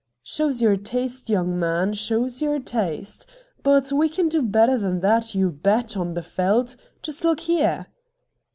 ' Shows your taste, young man, shows your taste. But we can do better than that, you bet, on the Yeldt. Just look here.'